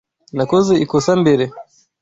Nakoze ikosa mbere.